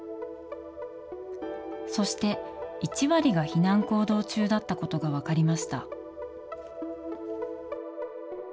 そして、１割が避難行動中だったことが分かりました。